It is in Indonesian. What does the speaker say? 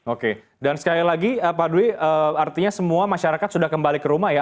oke dan sekali lagi pak dwi artinya semua masyarakat sudah kembali ke rumah ya